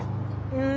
うん！